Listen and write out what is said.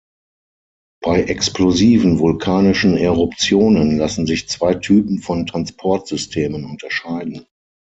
Bei explosiven vulkanischen Eruptionen lassen sich zwei Typen von Transportsystemen unterscheiden.